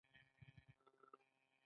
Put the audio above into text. جلسه د یو ډول راټولیدنې څخه عبارت ده.